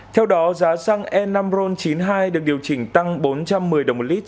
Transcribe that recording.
theo đó giá xăng enamron chín mươi hai được điều chỉnh tăng bốn trăm một mươi đồng một lít